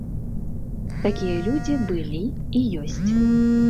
Такія людзі былі і ёсць.